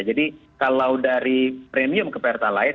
jadi kalau dari premium ke pertalite